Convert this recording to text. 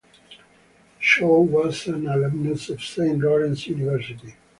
Shaw was an alumnus of Saint Lawrence University.